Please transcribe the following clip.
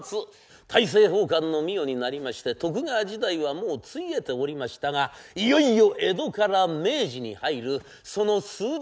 大政奉還の御代になりまして徳川時代はもうついえておりましたがいよいよ江戸から明治に入るその数日間のお物語。